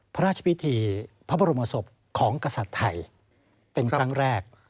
พระราชพิธีพระบรมศพของกษัตริย์ไทยเป็นครั้งแรก